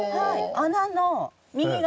穴の右側。